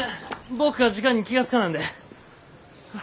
僕が時間に気が付かなんで。